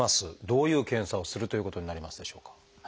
どういう検査をするということになりますでしょうか？